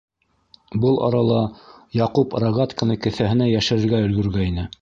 Был арала Яҡуп рогатканы кеҫәһенә йәшерергә өлгөргәйне.